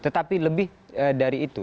tetapi lebih dari itu